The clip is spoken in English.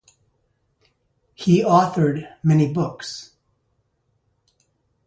He authored many books.